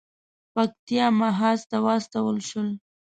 پکتیا محاذ ته واستول شول.